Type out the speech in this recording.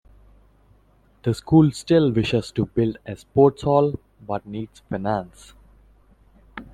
The school still wishes to build a sports hall but needs finance.